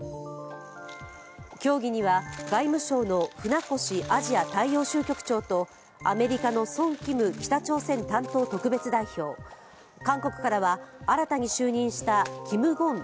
協議には外務省の船越アジア大洋州局長とアメリカのソン・キム北朝鮮担当特別代表、韓国からは、新たに就任したキム・ゴン